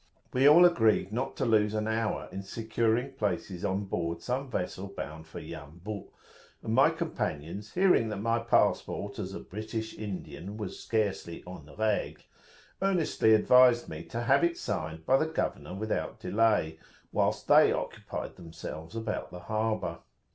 We all agreed not to lose an hour in securing places on board some vessel bound for Yambu'; and my companions, hearing that my passport as a British Indian was scarcely en regle, earnestly advised me to have it signed by the governor without delay, whilst they occupied themselves about the harbour.